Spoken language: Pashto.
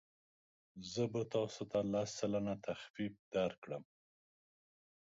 زه به تاسو ته لس سلنه تخفیف درکړم.